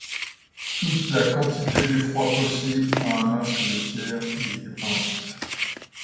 Toute la quantité d’effroi possible à un masque de pierre y était peinte.